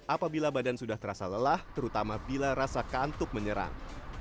apabila badan sudah terasa lelah terutama bila rasa kantuk menyerang